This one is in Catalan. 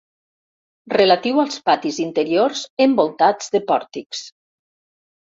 Relatiu als patis interiors envoltats de pòrtics.